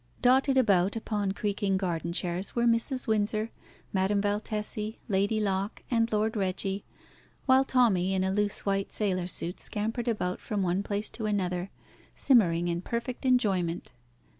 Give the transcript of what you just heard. Dotted about upon creaking garden chairs were Mrs. Windsor, Madame Valtesi, Lady Locke, and Lord Reggie, while Tommy in a loose white sailor suit scampered about from one place to another, simmering in perfect enjoyment.